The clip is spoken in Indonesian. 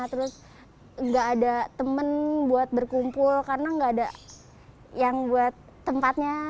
terus gak ada temen buat berkumpul karena nggak ada yang buat tempatnya